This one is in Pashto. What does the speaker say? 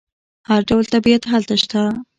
هر ډول طبیعت هلته شته.